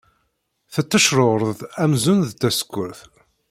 Tettecrurd amzun d tasekkurt.